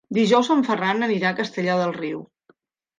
Dijous en Ferran anirà a Castellar del Riu.